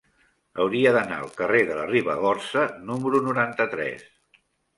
Hauria d'anar al carrer de la Ribagorça número noranta-tres.